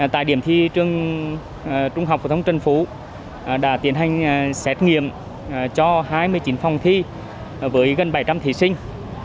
tại điểm thi trường trung học phổ thông trần phú đã tiến hành xét nghiệm cho hai mươi chín phòng thi với gần bảy trăm linh thí sinh